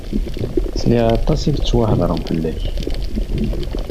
Sliɣ aṭas i yettwahedren fell-ak.